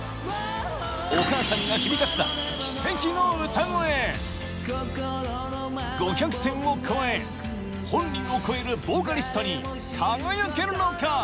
お母さんが響かせた奇跡の歌声５００点を超え本人を超えるボーカリストに輝けるのか？